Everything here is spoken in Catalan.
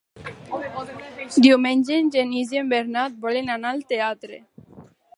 Diumenge en Genís i en Bernat volen anar al teatre.